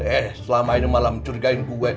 eh selama ini malah mencurigain gue